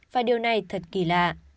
và điều này thật kỳ lạ